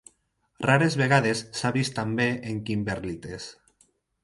Rares vegades s'ha vist també en kimberlites.